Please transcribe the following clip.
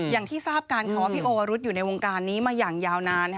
อย่างที่ทราบกันค่ะว่าพี่โอวรุษอยู่ในวงการนี้มาอย่างยาวนาน